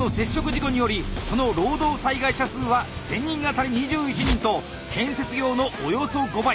事故によりその労働災害者数は１，０００人当たり２１人と建設業のおよそ５倍！